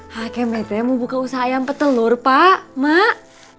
kayak matt ya mau buka usaha ayam petelur pak mak